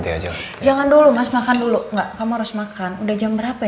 sekali lagi sekali lagi